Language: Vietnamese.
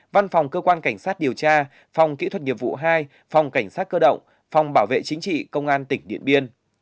văn phòng cơ quan cảnh sát điều tra phòng kỹ thuật nghiệp vụ hai phòng cảnh sát cơ động phòng bảo vệ chính trị công an tỉnh điện biên